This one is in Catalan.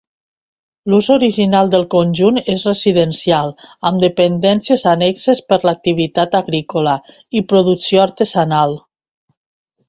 L'ús original del conjunt és residencial amb dependències annexes per l'activitat agrícola i producció artesanal.